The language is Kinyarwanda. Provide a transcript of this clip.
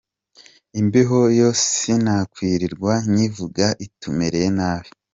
Imbeho yo sinakwirirwa nyivuga itumereye nabi.